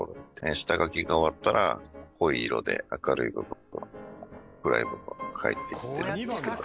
下書きが終わったら濃い色で明るい部分と暗い部分を描いていってるんですけど。